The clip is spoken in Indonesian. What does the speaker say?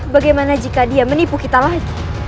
bagaimana jika dia menipu kita lagi